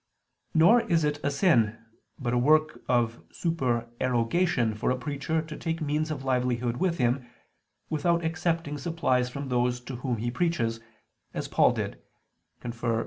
Nor is it a sin, but a work of supererogation for a preacher to take means of livelihood with him, without accepting supplies from those to whom he preaches; as Paul did (1 Cor.